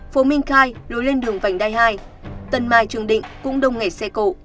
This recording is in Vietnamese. phố minh khai lối lên đường vành đai hai tân mai trường định cũng đông nghẹt xe cộ